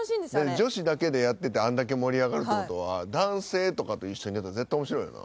女子だけでやっててあんだけ盛り上がるって事は男性とかと一緒にやったら絶対面白いよな。